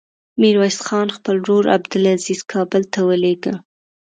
ميرويس خان خپل ورور عبدلعزير کابل ته ولېږه.